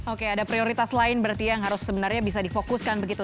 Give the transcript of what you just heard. oke ada prioritas lain berarti yang harus sebenarnya bisa difokuskan begitu